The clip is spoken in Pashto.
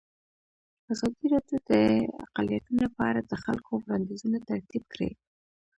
ازادي راډیو د اقلیتونه په اړه د خلکو وړاندیزونه ترتیب کړي.